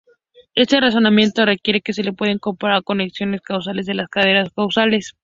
Este razonamiento requiere que se puedan incorporar conexiones causales a las cadenas causales.